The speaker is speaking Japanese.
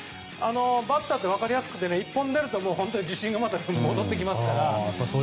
バッターって分かりやすくて１本出ると自信がまた戻ってきますから。